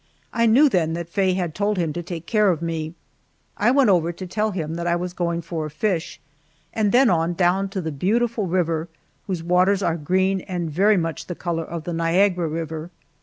I knew then that Faye had told him to take care of me. I went over to tell him that I was going for a fish, and then on down to the beautiful river, whose waters are green and very much the color of the Niagara River.